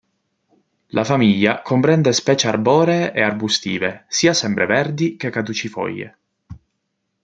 La famiglia comprende specie arboree e arbustive, sia sempreverdi che caducifoglie.